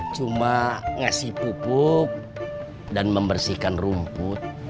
cuma ngasih pupuk dan membersihkan rumput